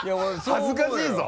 恥ずかしいぞ！